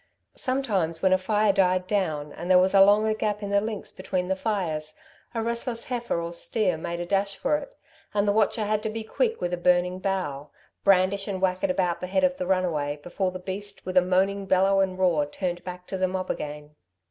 Sometimes when a fire died down and there was a longer gap in the links between the fires, a restless heifer or steer made a dash for it, and the watcher had to be quick with a burning bough, brandish and whack it about the head of the runaway before the beast with a moaning bellow and roar turned back to the mob again.